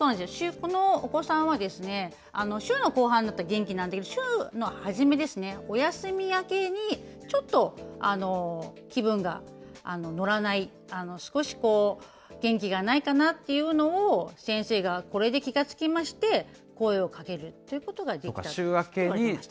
このお子さんは、週の後半になると元気なのに、週の初めですね、お休み明けにちょっと気分が乗らない、少し元気がないかなっていうのを先生がこれで気が付きまして、声をかけるということができたということです。